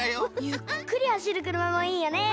ゆっくりはしるくるまもいいよね！